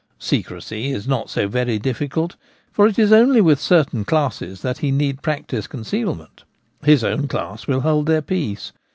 Secrecy is not so very difficult ; for it is only with certain classes that 144 The Gamekeeper at Home. he need practise concealment : his own class will hold their peace.